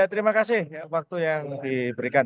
terima kasih waktu yang diberikan